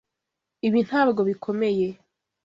Ibi ntabwo bikomeye.